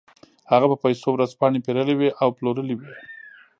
هغه په پیسو ورځپاڼې پېرلې وې او پلورلې وې